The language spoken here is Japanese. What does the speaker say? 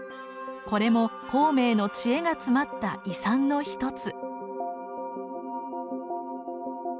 これも孔明の知恵が詰まった遺産の一つ。